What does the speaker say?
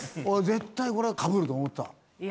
俺絶対これはかぶると思ってた。